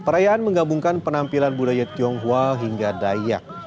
perayaan menggabungkan penampilan budaya tionghoa hingga dayak